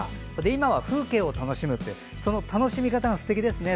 今は風景を楽しむって楽しみ方もすてきですね。